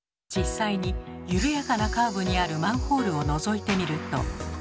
実際に緩やかなカーブにあるマンホールをのぞいてみると。